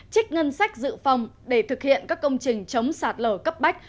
trích ngân sách dự phòng để thực hiện các công trình chống sạt lở cấp bách